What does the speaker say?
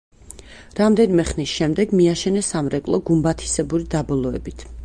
რამდენიმე ხნის შემდეგ მიაშენეს სამრეკლო გუმბათისებური დაბოლოებით.